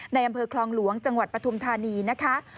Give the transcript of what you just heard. ในอำเภอคลองหลวงจังหวัดปฐุมธานีนะคะ